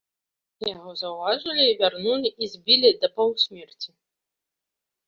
Яго заўважылі, вярнулі і збілі да паўсмерці.